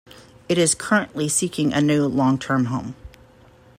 It is currently seeking a new long-term home.